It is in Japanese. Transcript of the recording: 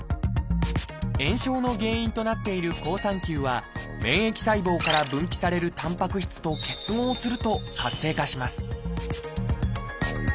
炎症の原因となっている好酸球は免疫細胞から分泌されるたんぱく質と結合すると活性化します